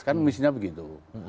kan mestinya begitu